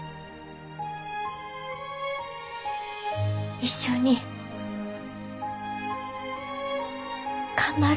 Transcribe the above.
一緒に頑張ろ。